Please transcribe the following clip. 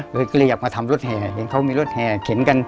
ก็เลยอยากมาทำรถแห่เห็นเขามีรถแห่เข็นกัน